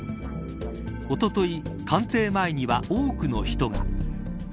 おととい官邸前には多くの人が。